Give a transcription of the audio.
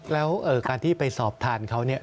แล้วการที่ไปสอบทานเขา